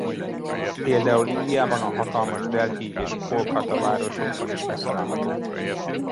Például Indiában a hatalmas Delhi és Kolkata városokban is megtalálható.